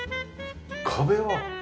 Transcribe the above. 壁は？